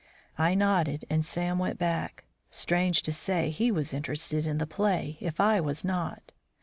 I nodded and Sam went back. Strange to say, he was interested in the play, if I was not.